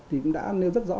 thì cũng đã nêu rất rõ